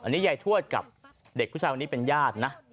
อันนี้ยายทวดกับเด็กผู้ชายคนนี้เป็นญาตินะ